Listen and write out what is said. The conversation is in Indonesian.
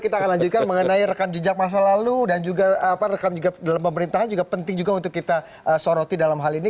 kita akan lanjutkan mengenai rekam jejak masa lalu dan juga rekam juga dalam pemerintahan juga penting juga untuk kita soroti dalam hal ini